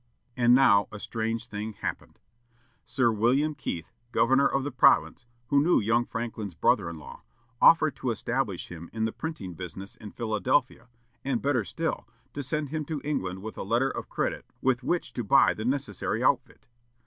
And now a strange thing happened. Sir William Keith, governor of the province, who knew young Franklin's brother in law, offered to establish him in the printing business in Philadelphia, and, better still, to send him to England with a letter of credit with which to buy the necessary outfit.